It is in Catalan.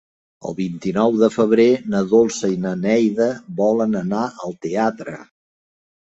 El vint-i-nou de febrer na Dolça i na Neida volen anar al teatre.